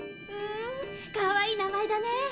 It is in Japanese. へえかわいい名前だね。